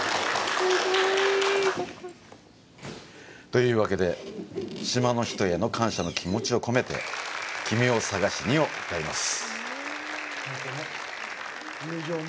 というわけで、島の人への感謝の気持ちを込めて「君を探しに」を歌います！